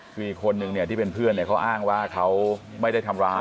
มีคนหนึ่งเนี่ยที่เป็นเพื่อนเนี่ยเขาอ้างว่าเขาไม่ได้ทำร้าย